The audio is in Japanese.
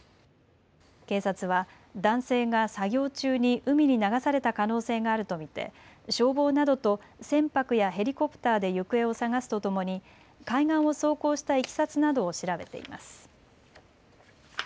警察は男性が作業中に海に流された可能性があると見て消防などと船舶やヘリコプターで行方を捜すとともに海岸を走行したいきさつなどを調べています。